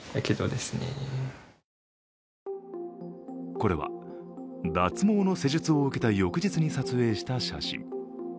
これは脱毛の施術を受けた翌日に撮影した写真。